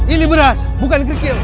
ini beras bukan krikil